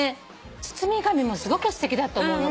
包み紙もすごくすてきだと思うの。